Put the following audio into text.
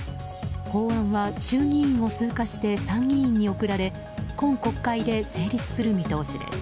法案は衆議院を通過して参議院に送られ今国会で成立する見通しです。